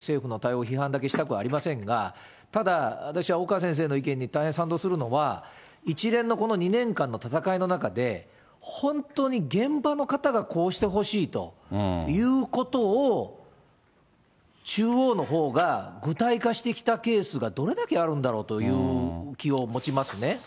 私はやっぱり、政府も政府なりに努力はしておられるので、むげに政府の対応を批判だけしたくはありませんが、ただ、私は岡先生の意見に大変賛同するのは、一連のこの２年間の戦いの中で、本当に現場の方がこうしてほしいということを、中央のほうが具体化してきたケースがどれだけあるんだろうという気を持ちますね。